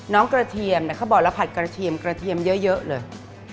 น้องกระเทียมเนี้ยเขาบอกแล้วผัดกระเทียมกระเทียมเยอะเยอะเลย